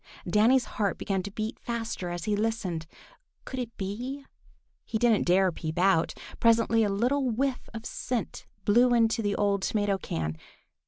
Danny's heart began to beat faster as he listened. Could it be? He didn't dare peep out. Presently a little whiff of scent blew into the old tomato can.